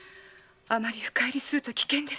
深入りすると危険です。